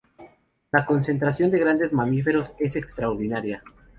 La concentración de grandes mamíferos es extraordinaria.